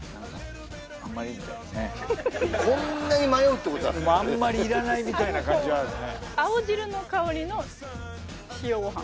こんなに迷うってことはあんまりいらないみたいな感じはあるね